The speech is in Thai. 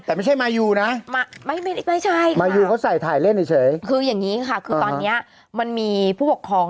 แต่ไม่ใช่มายูนะไม่ใช่ค่ะคืออย่างนี้ค่ะคือตอนนี้มันมีผู้ปกครอง